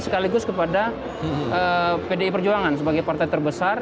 sekaligus kepada pdi perjuangan sebagai partai terbesar